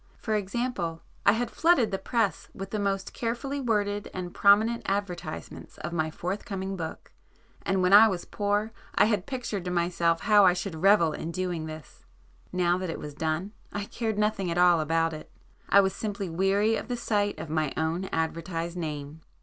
For example, I had flooded the press with the most carefully worded and prominent advertisements of my forthcoming book, and when I was poor I had pictured to myself how I should revel in doing this,—now that it was done I cared nothing at all about it. I was simply weary of the sight of my own advertised name.